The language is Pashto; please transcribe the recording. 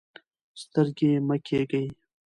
سترګۍ مه کیږئ.